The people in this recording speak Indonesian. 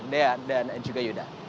dea dan juga yuda